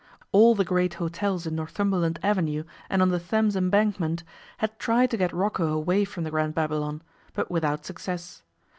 All the great hotels in Northumberland Avenue and on the Thames Embankment had tried to get Rocco away from the Grand Babylon, but without success.